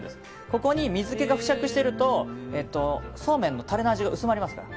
ここに水気が付着してるとそうめんのタレの味が薄まりますから。